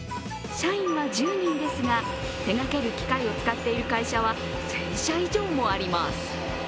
社員は１０人ですが、手がける機械を使っている会社は１０００社以上もあります。